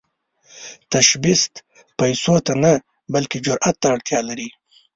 تشبث پيسو ته نه، بلکې جرئت ته اړتیا لري.